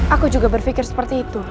aku juga berpikir seperti itu